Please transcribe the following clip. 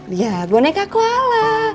lihat boneka koala